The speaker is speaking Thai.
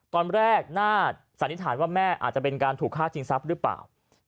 ตอนแรกน่าสันนิษฐานว่าแม่อาจจะเป็นการถูกฆ่าจริงทรัพย์หรือเปล่า